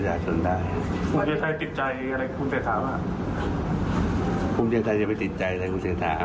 อันนี้ก็มีสินใจครับ